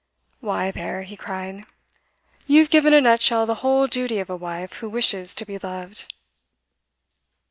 'Why, there,' he cried, 'you've given in a nutshell the whole duty of a wife who wishes to be loved!